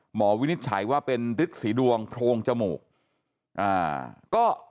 หมอวินิจฉัยว่าเป็นฤทธิ์สีดวงโพงจมูก